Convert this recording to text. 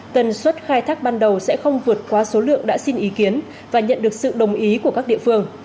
tần suất khai thác ban đầu sẽ không vượt qua số lượng đã xin ý kiến và nhận được sự đồng ý của các địa phương